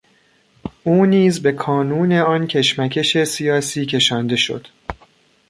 او نیز به کانون آن کشمکش سیاسی کشانده شد.